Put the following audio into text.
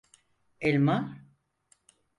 Elma?